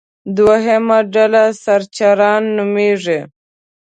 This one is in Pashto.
دوهمه ډله سرچران نومېږي.